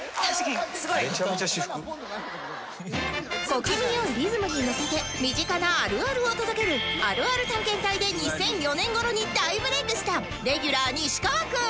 小気味良いリズムにのせて身近なあるあるを届けるあるある探検隊で２００４年頃に大ブレイクしたレギュラー西川くん